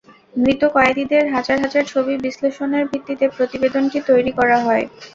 মৃত কয়েদিদের হাজার হাজার ছবি বিশ্লেষণের ভিত্তিতে প্রতিবেদনটি তৈরি করা হয়।